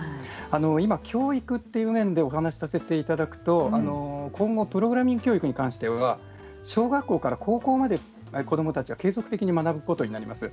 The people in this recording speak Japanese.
今、教育という面でお話をさせていただくと今後プログラミング教育に関しては、小学校から高校まで子どもたちは継続的に学ぶことになります。